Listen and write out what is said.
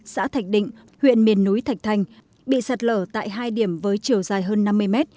xã thạch định huyện miền núi thạch thành bị sạt lở tại hai điểm với chiều dài hơn năm mươi mét